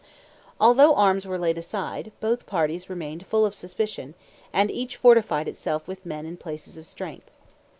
Although arms were laid aside, both parties remained full of suspicion, and each fortified itself with men and places of strength.